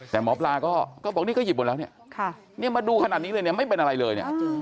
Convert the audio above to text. แต่หมอพลาก็บอกนี่ก็หยิบบนแล้วมาดูขนาดนี้เลยไม่เป็นอะไรเลย